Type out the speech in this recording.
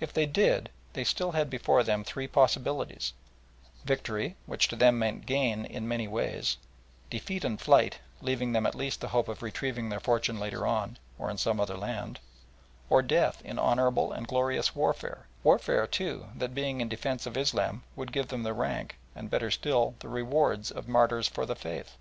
If they did, they still had before them three possibilities victory, which to them meant gain in many ways; defeat and flight, leaving them at least the hope of retrieving their fortune later on, or in some other land; or death in honourable and glorious warfare, warfare too, that being in defence of Islam, would give them the rank and, better still, the rewards of martyrs for the faith.